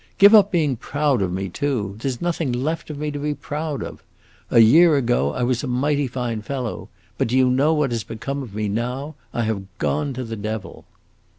Give up being proud of me, too; there 's nothing left of me to be proud of! A year ago I was a mighty fine fellow; but do you know what has become of me now? I have gone to the devil!"